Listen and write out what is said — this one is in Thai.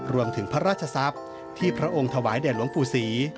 รวมถึงพระราชทรัพย์ที่พระองค์ถวายแด่หลวงปู่ศรี